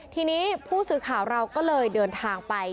ทีนี้ผู้สื่อข่าวเราก็เลยเดินทางไป